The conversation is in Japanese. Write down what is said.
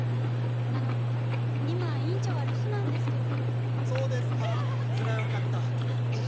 あの今院長は留守なんですけどそうですかそりゃよかった